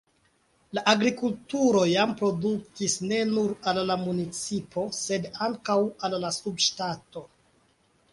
La agrikulturo jam produktis ne nur al la municipo, sed ankaŭ al la subŝtato.